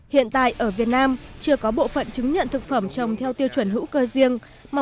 hiện tại ở việt nam chưa có bộ phận chứng nhận thực phẩm trồng theo tiêu chuẩn hữu cơ riêng